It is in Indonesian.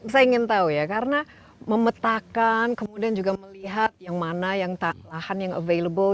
saya ingin tahu ya karena memetakan kemudian juga melihat yang mana yang lahan yang available